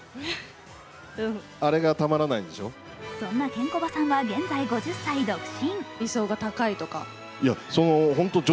そんなケンコバさんは現在５０歳独身。